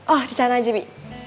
oh disana aja bi